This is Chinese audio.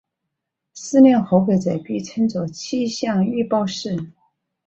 试验合格者被称作气象预报士。